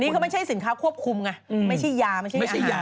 อันนี้ก็ไม่ใช่สินค้าควบคุมไงไม่ใช่ยาไม่ใช่อาหาร